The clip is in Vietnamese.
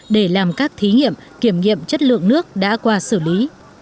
để làm các thí nghiệm kiểm nghiệm chất lượng nước đã qua xử lý